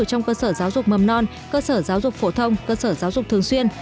trong cơ sở giáo dục mầm non cơ sở giáo dục phổ thông cơ sở giáo dục thường xuyên